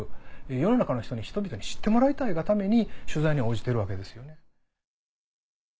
世の中の人々に知ってもらいたいがために取材に応じてるわけですよね。